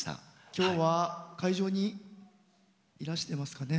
今日は会場にいらしてますかね？